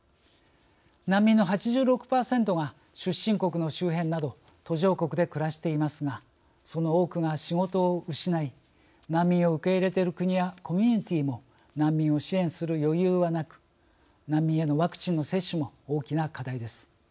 難民の８６％が出身国の周辺など途上国で暮らしていますがその多くが仕事を失い難民を受け入れている国やコミュニティーも難民を支援する余裕はなく難民へのワクチンの接種も大きな課題です。